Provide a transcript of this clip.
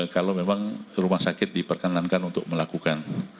kalau memang rumah sakit diperkenankan untuk melakukan